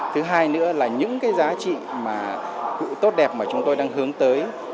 thứ hai nữa là những giá trị tốt đẹp mà chúng tôi đang hướng tới